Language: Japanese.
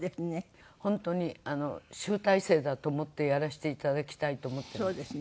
本当に集大成だと思ってやらせていただきたいと思ってるんです。